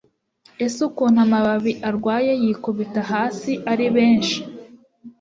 ese ukuntu amababi arwaye yikubita hasi ari benshi